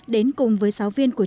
đến cùng với sáu viên quân khu bốn